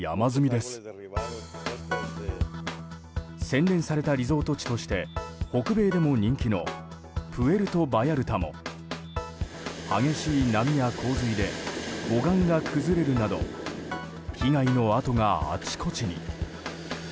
洗練されたリゾート地として北米でも人気のプエルト・バヤルタも激しい波や洪水で護岸が崩れるなど被害の跡があちこちに。